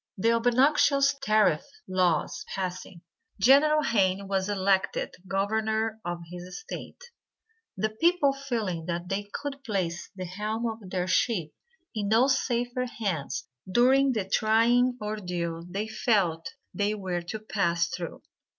The obnoxious tariff laws passing, General Hayne was elected Governor of his State; the people feeling that they could place the helm of their ship in no safer hands during the trying ordeal they felt they were to pass through.